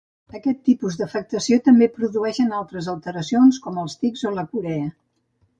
Aquest tipus d'afectació també produeix altres alteracions com els tics o la corea.